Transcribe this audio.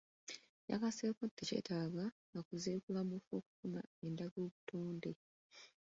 Yagasseeko nti tekyetaaga nakuziikula mufu okufuna ndagabuotnde.